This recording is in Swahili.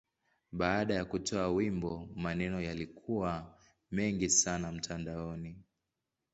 Baada ya kutoa wimbo, maneno yalikuwa mengi sana mtandaoni.